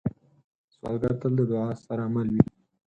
سوالګر تل د دعا سره مل وي